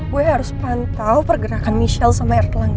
gue harus pantau pergerakan michelle sama erlang